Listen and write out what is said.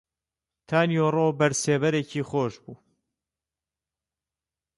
تا نیوەڕۆ بەر سێبەرێکی خۆش بوو